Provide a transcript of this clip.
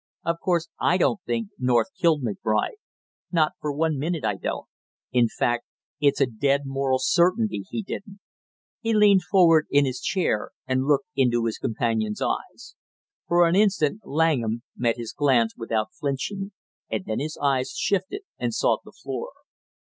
"Of course, I don't think North killed McBride, not for one minute I don't; in fact, it's a dead moral certainty he didn't!" He leaned forward in his chair and looked into his companion's eyes. For an instant Langham met his glance without flinching and then his eyes shifted and sought the floor.